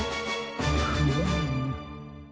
フーム。